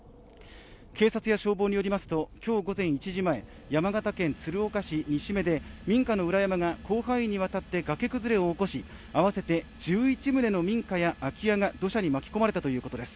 警察や消防によりますと今日午前１時前山形県鶴岡市西目で民家の裏山が広範囲にわたって崖崩れを起こし合わせて１１棟の民家や空き家が土砂に巻き込まれたということです。